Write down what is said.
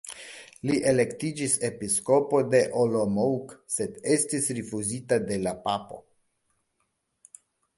Li elektiĝis Episkopo de Olomouc sed estis rifuzita de la papo.